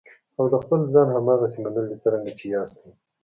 او د خپل ځان هماغسې منل دي څرنګه چې یاستئ.